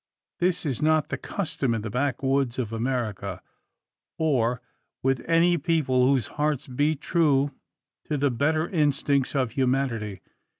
This is not the custom in the backwoods of America, or with any people whose hearts beat true to the better instincts of humanity.